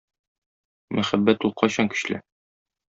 Мәхәббәт ул кайчан көчле?